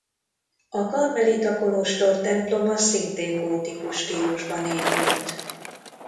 A karmelita kolostor temploma szintén gótikus stílusban épült.